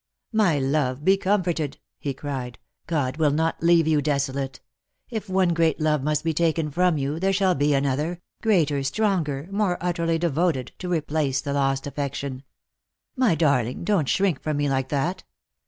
" My love, be comforted !" he cried; " God will not leave you desolate. If one great love must be taken from you, there shall be another — greater, stronger, more utterly devoted — to replace the lost affection. My darling, don't shrink from me like that.